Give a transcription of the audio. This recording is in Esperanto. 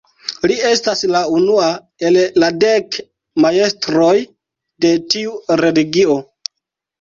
Li estas la unua el la dek majstroj de tiu religio.